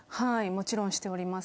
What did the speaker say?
もちろんしております。